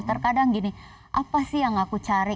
terkadang gini apa sih yang aku cari